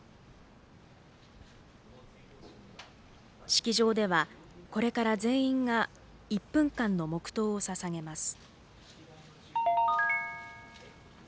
式場では、これから全員が１分間の黙とうをささげます。